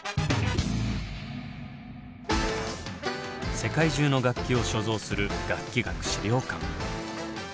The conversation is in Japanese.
世界中の楽器を所蔵する楽器学資料館。